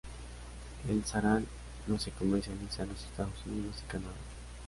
El Sharan no se comercializa en los Estados Unidos y Canadá.